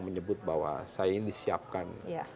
menyebut bahwa saya ini disiapkan